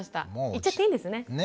言っちゃっていいんですね。